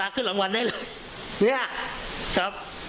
คุณตา